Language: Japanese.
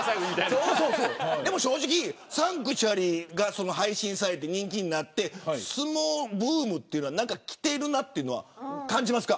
でも、正直サンクチュアリが配信されて人気になって相撲ブームがきてるなというのは感じますか。